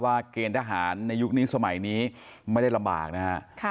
เกณฑ์ทหารในยุคนี้สมัยนี้ไม่ได้ลำบากนะฮะ